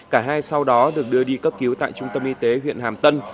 cả hai sau đó được đưa đi cấp cứu tại trung tâm y tế huyện hàm tân